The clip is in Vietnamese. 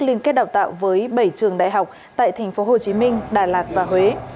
liên kết đào tạo với bảy trường đại học tại tp hcm đà lạt và huế